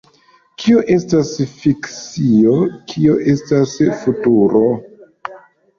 Kio estas fikcio, kio estas futuro?